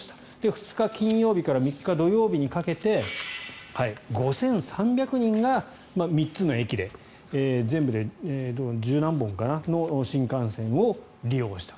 ２日金曜日から３日土曜日にかけて５３００人が３つの駅で全部で１０何本の新幹線を利用した。